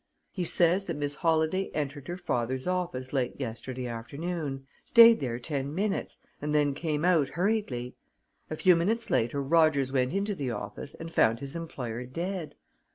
He says that Miss Holladay entered her father's office late yesterday afternoon, stayed there ten minutes, and then came out hurriedly. A few minutes later Rogers went into the office and found his employer dead.